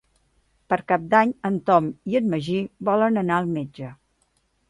Per Cap d'Any en Tom i en Magí volen anar al metge.